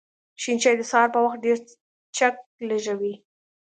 شین چای د سهار په وخت ډېر چک لږوی